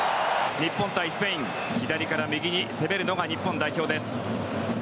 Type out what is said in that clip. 日本対スペイン左から右に攻めるのが日本代表です。